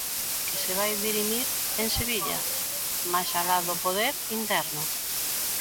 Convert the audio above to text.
Que se vai dirimir en Sevilla, máis alá do poder interno?